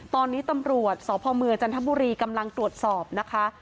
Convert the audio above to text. ตอนนี้ตำรวจสพเมืองจันทบุรีกำลังตรวจสอบนะคะ